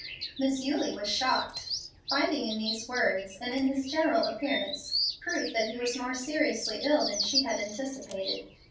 Miss Eulie was shocked, finding in these words and in his general appearance proof that he was more seriously ill than she had anticipated.